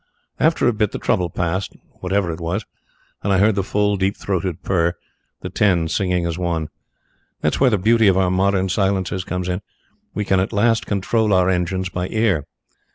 After a bit the trouble passed, whatever it was, and I heard the full, deep throated purr the ten singing as one. That's where the beauty of our modern silencers comes in. We can at last control our engines by ear.